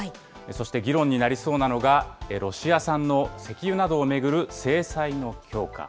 そして議論になりそうなのが、ロシア産の石油などを巡る制裁の強化。